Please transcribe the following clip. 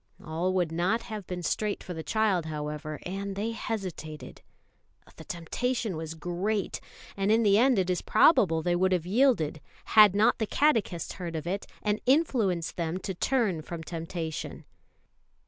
All would not have been straight for the child, however, and they hesitated. The temptation was great; and in the end it is probable they would have yielded, had not the catechist heard of it, and influenced them to turn from temptation.